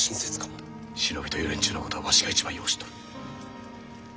忍びという連中のことはわしが一番よう知っとる。